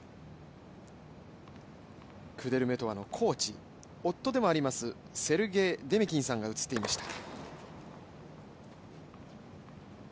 クデルメトワのコーチ、夫でもあるセルゲイさんが映っていました。